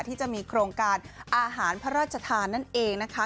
ที่จะมีโครงการอาหารพระราชทานนั่นเองนะคะ